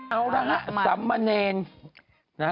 เอาล่ะนะซัมมะเนน